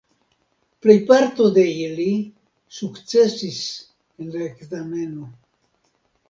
Plejparto de ili sukcesis en la ekzameno.